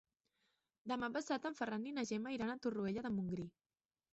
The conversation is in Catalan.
Demà passat en Ferran i na Gemma iran a Torroella de Montgrí.